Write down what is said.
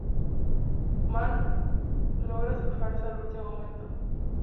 Mann logra zafarse al último momento.